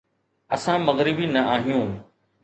اسان مغربي نه آهيون.